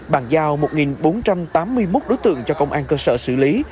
bàn giao một bốn trăm tám mươi một đối tượng cho công an cơ sở xử lý